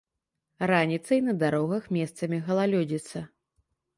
Раніцай на дарогах месцамі галалёдзіца.